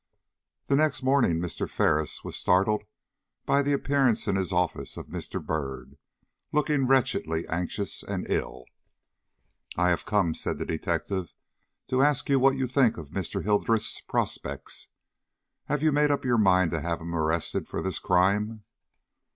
THE next morning Mr. Ferris was startled by the appearance in his office of Mr. Byrd, looking wretchedly anxious and ill. "I have come," said the detective, "to ask you what you think of Mr. Hildreth's prospects. Have you made up your mind to have him arrested for this crime?"